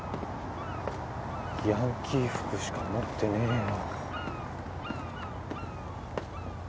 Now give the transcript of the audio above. ヤンキー服しか持ってねえよ。